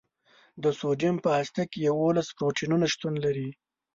د سوډیم په هسته کې یوولس پروتونونه شتون لري.